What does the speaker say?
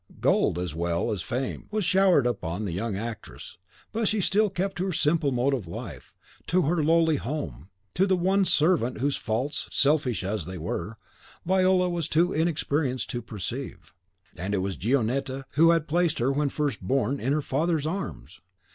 Gold, as well as fame, was showered upon the young actress; but she still kept to her simple mode of life, to her lowly home, to the one servant whose faults, selfish as they were, Viola was too inexperienced to perceive. And it was Gionetta who had placed her when first born in her father's arms!